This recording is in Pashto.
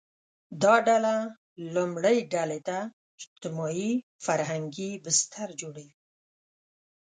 دا ډله لومړۍ ډلې ته اجتماعي – فرهنګي بستر جوړوي